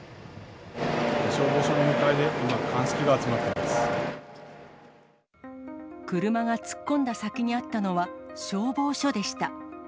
消防署の向かいで、今、車が突っ込んだ先にあったのは、消防署でした。